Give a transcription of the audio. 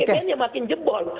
kalau apbn ya makin jebol